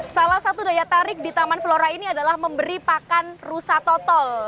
salah satu daya tarik di taman flora ini adalah memberi pakan rusa total